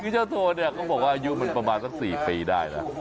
คือเจ้าโธนเขาบอกว่าอายุประมาณสัก๔ปีได้นะ